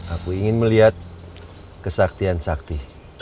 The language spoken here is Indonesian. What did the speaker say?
aku ingin melihat kesaktian sakti